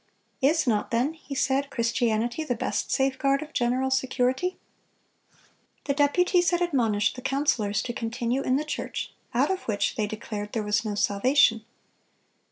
"Is not, then," he said, "Christianity the best safeguard of the general security?"(256) The deputies had admonished the councilors to continue in the church, out of which, they declared, there was no salvation.